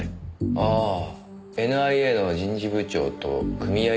ああＮＩＡの人事部長と組合の委員長。